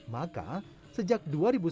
maka sejak dua ribu sembilan belas